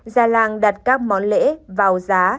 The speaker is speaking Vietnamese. gia lang đặt các món lễ vào giá